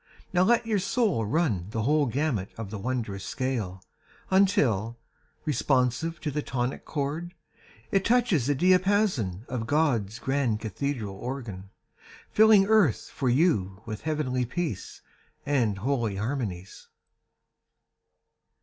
Now let your soul run the whole gamut of the wondrous scale Until, responsive to the tonic chord, It touches the diapason of God's grand cathedral organ, Filling earth for you with heavenly peace And holy harmonies.